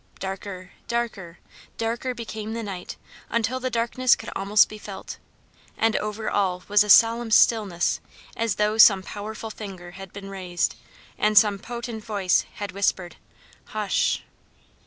Darker, darker, darker became the night until the darkness could almost be felt, and over all was a solemn stillness as though some powerful finger had been raised, and some potent voice had whispered, "HU SH!"